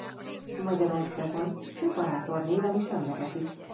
Magyarországon szeparátor néven is emlegetik.